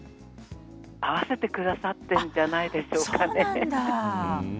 合わせてくださっているんじゃないでしょうかね。